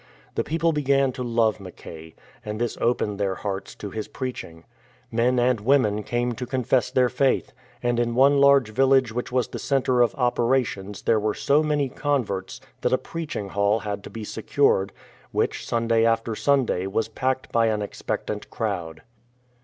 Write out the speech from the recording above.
The people began to love Mackay, and this opened their hearts to his preaching. Men and women came to confess their faith, and in one large village which was the centre of operations there were so many converts that a preaching hall had to be secured, which Sunday after Sunday was packed by an expectant crowd.